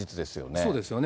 そうですよね。